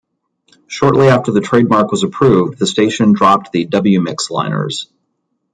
Shortly after the trademark was approved, the station dropped the "W-Mix" liners.